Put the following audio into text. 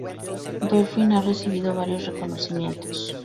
Dolphin ha recibido varios reconocimientos.